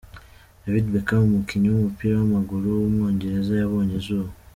David Beckham, umukinnyi w’umupira w’amaguru w’umwongereza yabonye izuba.